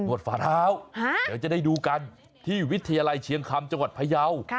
ฝาเท้าเดี๋ยวจะได้ดูกันที่วิทยาลัยเชียงคำจังหวัดพยาว